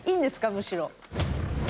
むしろ。